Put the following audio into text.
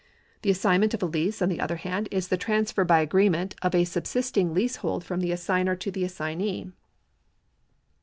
The assignment of a lease, on the other hand, is the transfer by agree ment of a subsisting leasehold from the assignor to the assignee.